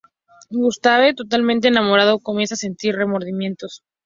Gustave, totalmente enamorado, comienza a sentir remordimientos.